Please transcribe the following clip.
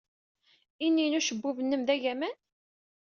Ini n ucebbub-nnem d agaman?